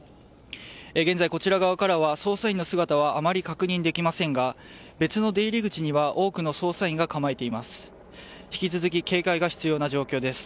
現在こちら側からは捜査員の姿はあまり確認できませんが別の出入り口には多くの捜査員が構えています。